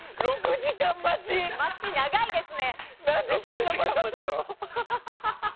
待ち長いですね。